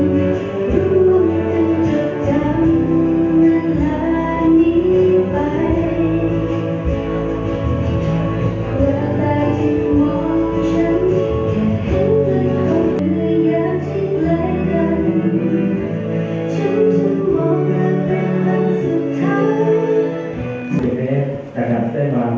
แล้วก็ต่อด้วยท่านที่นั่งอยู่บนศาลาด้านหลัง